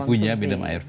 ibunya minum air v